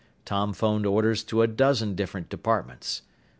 Tom phoned orders to a dozen different departments.